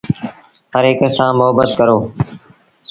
هرهڪ سآݩ مهبت ڪرو۔